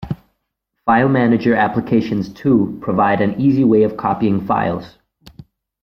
File manager applications, too, provide an easy way of copying files.